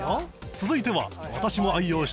続いては。